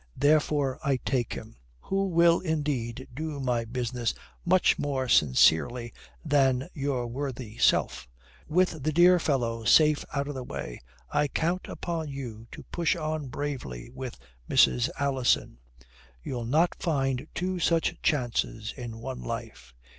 Therefore I take him, who will indeed do my business much more sincerely than your worthy self. With the dear fellow safe out of the way, I count upon you to push on bravely with Mrs. Alison. You'll not find two such chances in one life.